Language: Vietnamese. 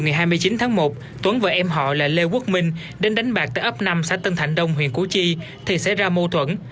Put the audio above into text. ngày hai mươi chín tháng một tuấn và em họ là lê quốc minh đến đánh bạc tại ấp năm xã tân thạnh đông huyện củ chi thì xảy ra mâu thuẫn